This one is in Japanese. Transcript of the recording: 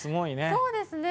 そうですね。